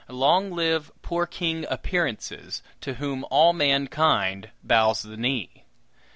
Long live poor King Appearances, to whom all mankind bows the knee!